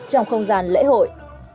trong không gian lễ hội